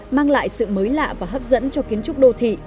mang lại sự mới lạ và hấp dẫn cho kiến trúc đô thị